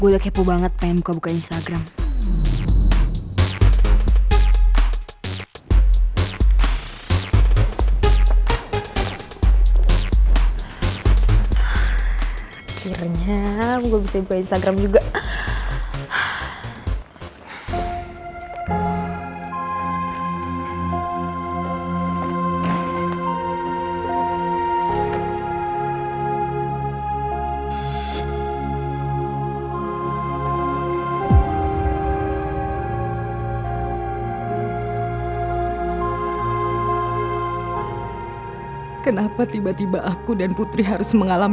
gue udah kepo banget pengen buka buka instagram